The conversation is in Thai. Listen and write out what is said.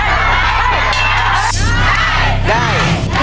ได้ได้